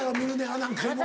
何回も。